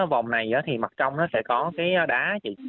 vòng này thì mặt trong nó sẽ có cái đá chị